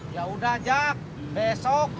yaudah jak besok